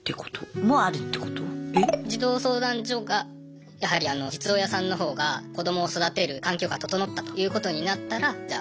児童相談所がやはりあの実親さんのほうが子どもを育てる環境が整ったということになったらじゃあ